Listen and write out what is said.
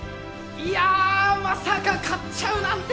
いやまさか勝っちゃうなんてね！